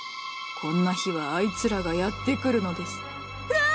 こんな日はあいつらがやって来るのですうわ！